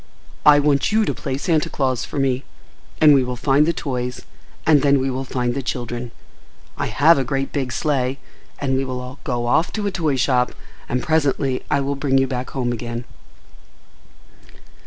I want you to play Santa Claus for me, and we will find the toys, and then we will find the children. I have a great big sleigh, and we will go off to a toy shop, and presently I will bring you back home again."